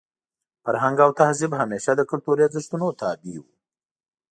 فرهنګ او تهذیب همېشه د کلتوري ارزښتونو تابع وو.